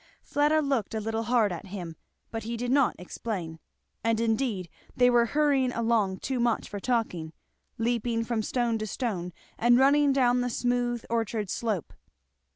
Fleda looked a little hard at him, but he did not explain; and indeed they were hurrying along too much for talking, leaping from stone to stone, and running down the smooth orchard slope.